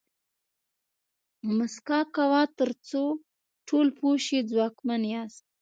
موسکا کوه تر څو ټول پوه شي ځواکمن یاست.